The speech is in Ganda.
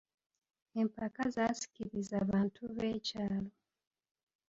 Empaka zaasikirizza bantu b'ekyalo.